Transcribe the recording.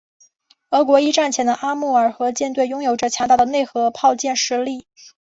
俄国一战前的阿穆尔河区舰队拥有着强大的内河炮舰实力。